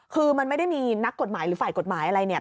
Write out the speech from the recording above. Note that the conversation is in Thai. คือมันไม่ได้มีนักกฎหมายหรือฝ่ายกฎหมายอะไรเนี่ย